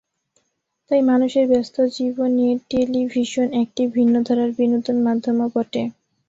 তাই মানুষের ব্যস্ত জীবনে টেলিভিশন একটি ভিন্নধারার বিনোদনমাধ্যমও বটে।